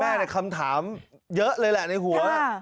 เป็นพ่อแม่แต่คำถามเยอะเลยแหละในหัว